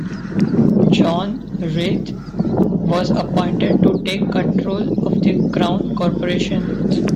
John Reith was appointed to take control of the Crown corporation.